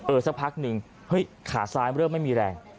เออสักพักหนึ่งขาซ้ายเริ่มไม่มีแรง